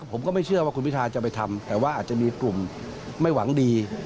ผมก็ไม่เชื่อว่าคุณพิทาจะไปทำแต่ว่าอาจจะมีกลุ่มไม่หวังดี